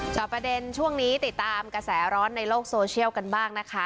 จอบประเด็นช่วงนี้ติดตามกระแสร้อนในโลกโซเชียลกันบ้างนะคะ